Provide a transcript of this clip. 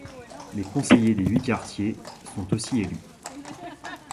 Les conseillers des huit quartiers sont aussi élus.